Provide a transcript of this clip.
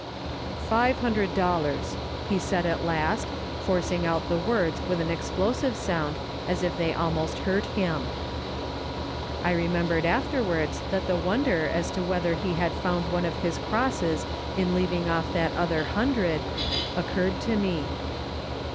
" Five hundred dollars," he said at last, forcing out the words with an explosive sound as if they almost hurt him. I remembered afterwards that the wonder as to whether he had found one of his crosses in leaving off that other hundred, occurred to me.